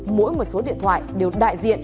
mỗi một số điện thoại đều đại diện